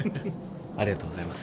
ありがとうございます。